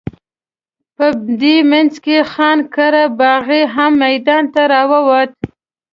په دې منځ کې خان قره باغي هم میدان ته راووت.